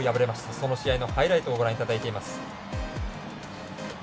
その試合のハイライトをご覧いただいています。